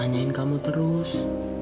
nanyain kamu terus